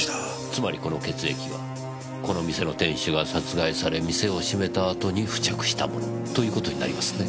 つまりこの血液はこの店の店主が殺害され店を閉めた後に付着したものという事になりますね。